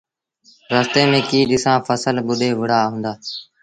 رستي ميݩ ڪيٚ ڏسآݩ ڦسل ٻُڏي وُهڙآ هُݩدآ۔